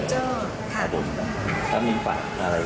จะเพิ่มขวาดอะไรต่อคุณน้องบอกอะไรไหม